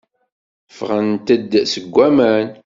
Ffɣemt-d seg waman.